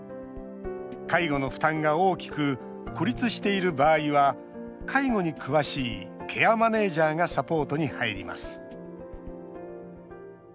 介護の負担が大きく孤立している場合は介護に詳しいケアマネージャーがサポートに入ります。